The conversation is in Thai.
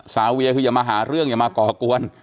เวียคืออย่ามาหาเรื่องอย่ามาก่อกวน